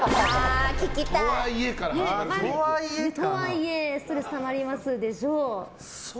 聞きたい。とはいえストレスたまりますでしょう？